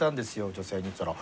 女性に」って言ったら。